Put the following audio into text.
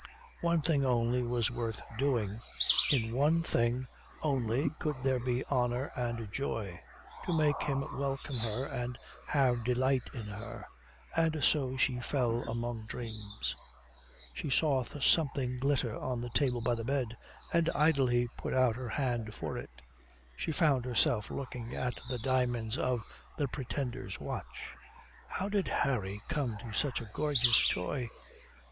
One thing only was worth doing, in one thing only could there be honour and joy, to make him welcome her and have delight in her... And so she fell among dreams.... She saw something glitter on the table by the bed, and idly put out her hand for it. She found herself looking at the diamonds of the Pretender's watch. How did Harry come to such a gorgeous toy?